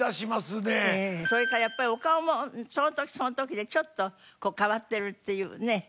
それからやっぱりお顔もその時その時でちょっと変わってるっていうね。